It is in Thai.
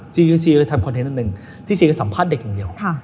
ยูซีเลยทำคอนเทนต์อันหนึ่งที่ซีก็สัมภาษณ์เด็กอย่างเดียว